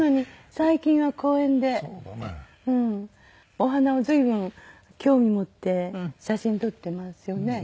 お花を随分興味持って写真撮ってますよね。